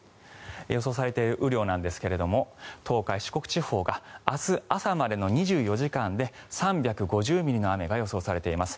予想されている雨量ですが東海、四国地方が明日朝までの２４時間で３５０ミリの雨が予想されています。